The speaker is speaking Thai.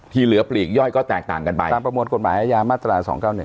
เหลือปลีกย่อยก็แตกต่างกันไปตามประมวลกฎหมายอาญามาตรา๒๙๑